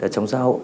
trong xã hội